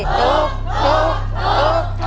ตุ๊ก